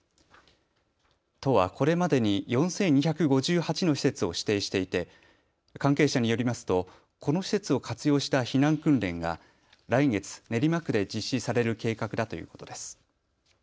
都はこれまでに４２５８の施設を指定していて関係者によりますとこの施設を活用した避難訓練が来月、練馬区で実施される計画だということです。